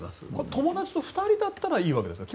友達と２人だったらいいわけですか？